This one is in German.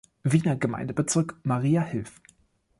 Wiener Gemeindebezirk Mariahilf.